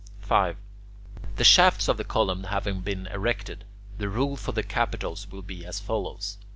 5. The shafts of the columns having been erected, the rule for the capitals will be as follows.